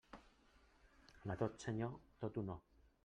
A tot senyor, tot honor.